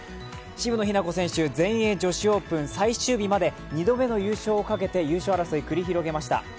渋野日向子選手、全英女子オープン最終日まで２度目の優勝をかけて優勝争い繰り広げました。